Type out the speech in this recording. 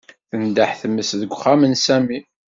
Tendeḥ tmes deg uxxam n Sami.